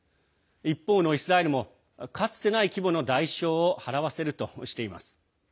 一方のイスラエルもかつてない規模の代償を払わせるとしています。